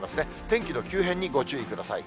天気の急変にご注意ください。